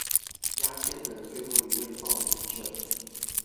壓線的最後一位報名者